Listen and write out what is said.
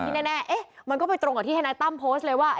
แน่มันก็ไปตรงกับที่ทนายตั้มโพสต์เลยว่า